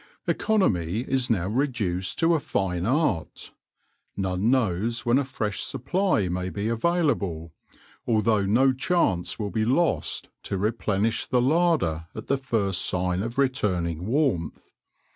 Economy is now reduced to a fine art. None knows when a fresh supply may be available, although no chance will be lost to replenish the larder at the first sign of returning warmth.